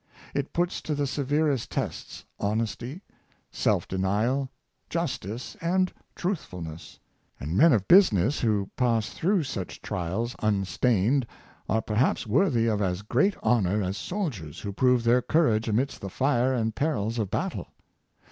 It puts to the severest tests honesty, self denial, justice, and truthfulness; and men of business who pass through such trials unstained are perhaps worthy of as great honor as soldiers who prove their courage amidst the fire and perils of battle.